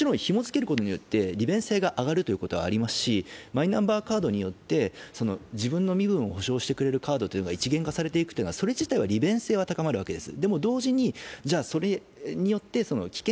もちろん紐づけることによって利便性が増えるということはありますしマイナンバーカードによって自分の身分を保証してくれるカードが一元化されていく、それ自体の利便性は高まるわけです。